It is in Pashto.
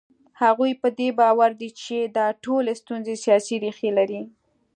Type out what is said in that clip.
هغوی په دې باور دي چې دا ټولې ستونزې سیاسي ریښې لري.